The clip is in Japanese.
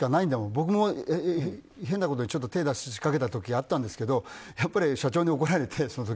僕も変なことに手を出しかけた時あったんですけどやっぱり社長に怒られて、その時。